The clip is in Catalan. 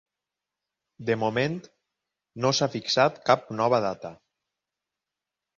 De moment, no s’ha fixat cap nova data.